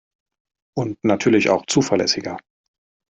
Und natürlich auch zuverlässiger.